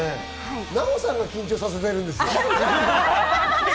ナヲさんが緊張させてるんですよ。